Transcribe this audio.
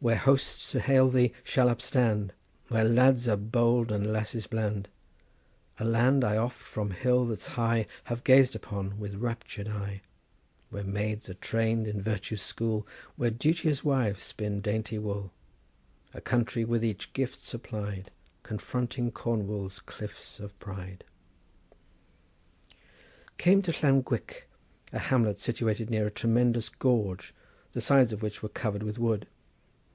Where hosts to hail thee shall upstand, Where lads are bold and lasses bland, A land I oft from hill that's high Have gazed upon with raptur'd eye; Where maids are trained in virtue's school, Where duteous wives spin dainty wool; A country with each gift supplied, Confronting Cornwall's cliffs of pride." Came to Llanguick, a hamlet situated near a tremendous gorge, the sides of which were covered with wood.